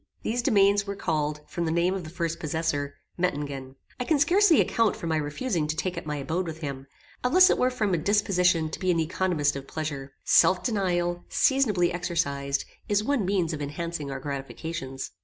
These domains were called, from the name of the first possessor, Mettingen. I can scarcely account for my refusing to take up my abode with him, unless it were from a disposition to be an economist of pleasure. Self denial, seasonably exercised, is one means of enhancing our gratifications.